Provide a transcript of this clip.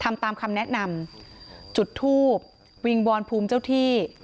ทำตามคำแนะนำจุดทูบวิงวอนภูมิเจ้าที่